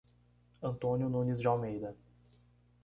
Antônio Nunes de Almeida